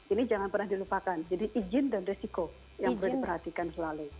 ini jangan pernah dilupakan jadi izin dan resiko yang perlu diperhatikan selalu